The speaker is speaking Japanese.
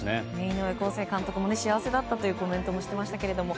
井上康生監督も幸せだったとコメントもしてましたけれども。